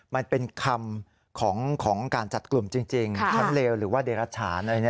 มันเป็นคำของการจัดกลุ่มจริงชั้นเลวหรือว่าเดรัชฉานอะไร